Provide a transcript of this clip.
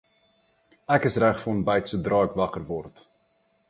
Ek is reg vir ontbyt sodra ek wakker word.